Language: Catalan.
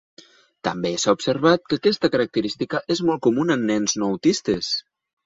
També s'ha observat que aquesta característica és molt comuna en nens no autistes.